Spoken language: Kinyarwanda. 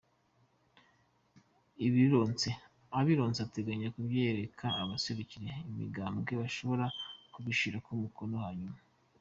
Abironse ategekanya kuvyereka abaserukira imigambwe bashobora kubishirako umukono munyuma.